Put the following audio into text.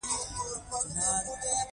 پر آس سپور ولیکئ.